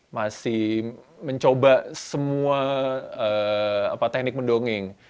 masih mencoba semua teknik mendongeng